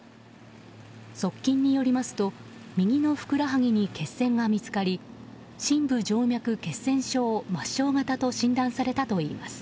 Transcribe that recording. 側近によりますと右のふくらはぎに血栓が見つかり深部静脈血栓症末しょう型と診断されたといいます。